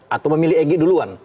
atau memilih egy duluan